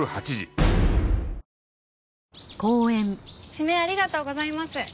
指名ありがとうございます。